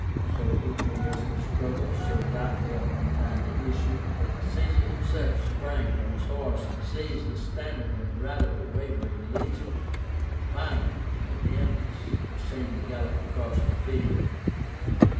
So equal was the struggle, so doubtful at one time the issue, that Caesar himself sprang from his horse, seized a standard, and rallied a wavering legion. Finally, Labiénus was seen to gallop across the field.